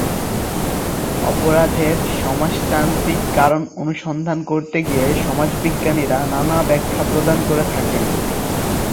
অপরাধের সমাজতাত্ত্বিক কারণ অনুসন্ধান করতে গিয়ে সমাজবিজ্ঞানীরা নানা ব্যাখ্যা প্রদান করে থাকেন।